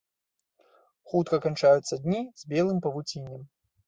Хутка канчаюцца дні з белым павуціннем.